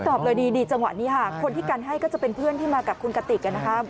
ตอบเลยดีจังหวะนี้ค่ะคนที่กันให้ก็จะเป็นเพื่อนที่มากับคุณกติกนะคะ